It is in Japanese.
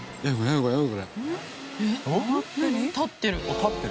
立ってる。